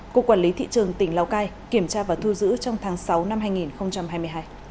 cục quản lý thị trường tỉnh lào cai kiểm tra và thu giữ trong tháng sáu năm hai nghìn hai mươi hai